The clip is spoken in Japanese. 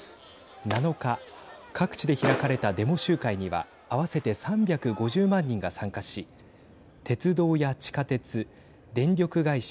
７日各地で開かれたデモ集会には合わせて３５０万人が参加し鉄道や地下鉄電力会社